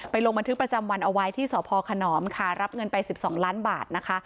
ลงบันทึกประจำวันเอาไว้ที่สพขนอมค่ะรับเงินไป๑๒ล้านบาทนะคะ